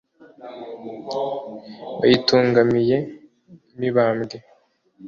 bayitungamiye mibambwe